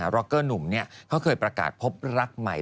ร็อกเกอร์หนุ่มเขาเคยประกาศพบรักใหม่